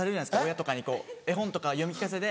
親とかにこう絵本とか読み聞かせで。